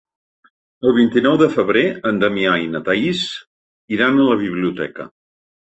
El vint-i-nou de febrer en Damià i na Thaís iran a la biblioteca.